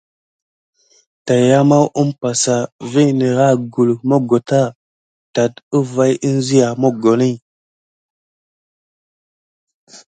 Tayamaou umpa sa vi nerahək guluk moggota tat əvay əŋzia moggoni.